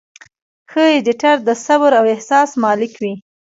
ښه ایډیټر د صبر او احساس مالک وي.